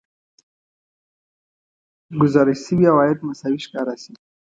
ګزارش شوي عواید مساوي ښکاره شي